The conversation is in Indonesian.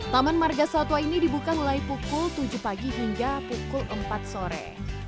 taman marga satwa ini dibuka mulai pukul tujuh pagi hingga pukul empat sore